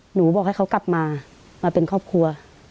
หนูบอกให้เขากลับมามาเป็นครอบครัว